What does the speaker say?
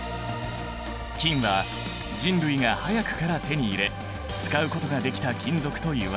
金は人類が早くから手に入れ使うことができた金属といわれている。